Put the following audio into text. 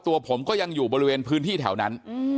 ตัวผมก็ยังอยู่บริเวณพื้นที่แถวนั้น